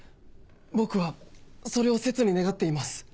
僕はそれを切に願っています。